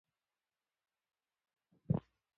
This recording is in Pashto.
ملک محمد قصه راته کوي.